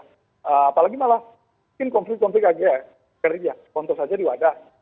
nah apalagi malah mungkin konflik konflik agar ya kan ya kontrol saja di wadah